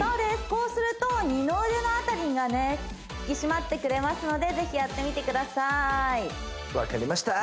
こうすると二の腕の辺りが引き締まってくれますのでぜひやってみてくださいわかりました！